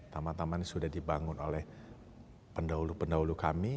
taman taman yang sudah dibangun oleh pendahulu pendahulu kami